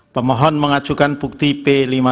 pemohon mengajukan bukti p lima puluh